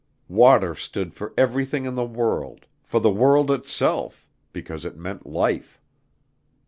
Water stood for everything in the world for the world itself, because it meant life.